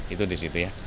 itu di situ ya